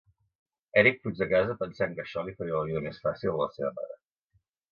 Erik fuig de casa pensant que això li faria la vida més fàcil a la seva mare.